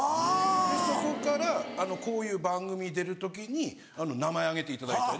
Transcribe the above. でそこからこういう番組出る時に名前挙げていただいたり。